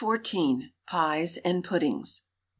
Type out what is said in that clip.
PIES AND PUDDINGS.